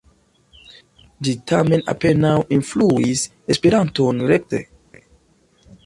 Ĝi tamen apenaŭ influis Esperanton rekte.